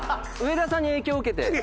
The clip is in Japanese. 上田さんに影響を受けて。